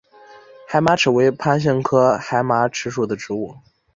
海马齿为番杏科海马齿属的植物。